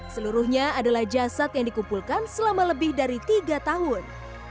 seluruhnya adalah jasad yang dikumpulkan selama lebih dari tiga tahun